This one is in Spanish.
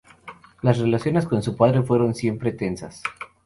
Las relaciones con su padre fueron siempre tensas.